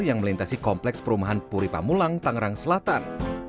yang melintasi kompleks perumahan puri pamulang tangerang selatan